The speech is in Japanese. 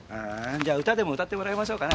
じゃ歌でも歌ってもらいましょうかね。